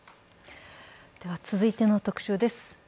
続いての特集です。